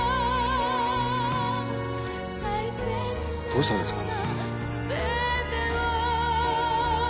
どうしたんですか？